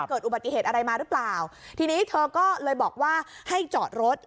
เกิดอุบัติเหตุอะไรมาหรือเปล่าทีนี้เธอก็เลยบอกว่าให้จอดรถ